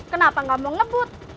kenapa gak mau ngebut